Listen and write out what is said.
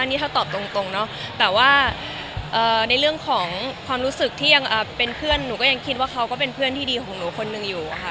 อันนี้ถ้าตอบตรงเนาะแต่ว่าในเรื่องของความรู้สึกที่ยังเป็นเพื่อนหนูก็ยังคิดว่าเขาก็เป็นเพื่อนที่ดีของหนูคนหนึ่งอยู่ค่ะ